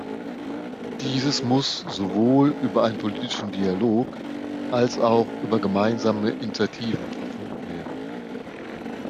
Dieses muss sowohl über einen politischen Dialog als auch über gemeinsame Initiativen verfolgt werden.